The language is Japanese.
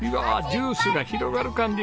「ジュースが広がる感じ」